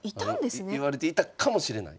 いわれていたかもしれない。